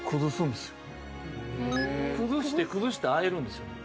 崩して崩して和えるんですよね。